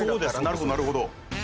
なるほどなるほど。